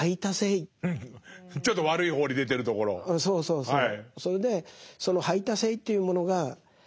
そうそうそう。